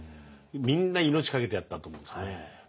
みんな命かけてやったと思うんですね。